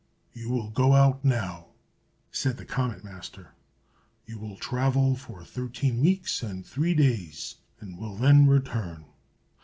"You will go out now," said the Comet Master. "You will travel for thirteen weeks and three days, and will then return.